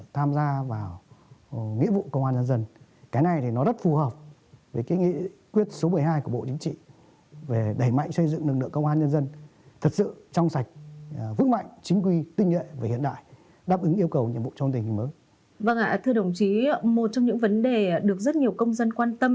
vâng thưa đồng chí một trong những vấn đề được rất nhiều công dân quan tâm